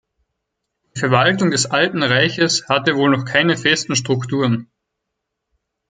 Die Verwaltung des Alten Reiches hatte wohl noch keine festen Strukturen.